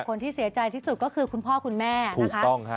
คนที่เสียใจสุดก็คือคุณพ่อคุณแม่ถูกต้อง